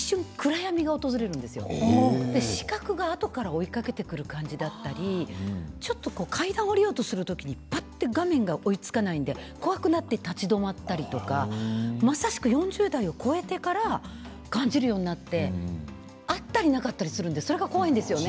視覚が後から追いかけてくる感じだったりちょっとこう階段を下りようとする時にパッて画面が追いつかないので怖くなって立ち止まったりとかまさしく４０代を越えてから感じるようになってあったりなかったりするんでそれが怖いんですよね。